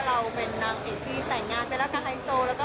เราเป็นนางเอกที่แต่งงานไปแล้วกับไฮโซแล้วก็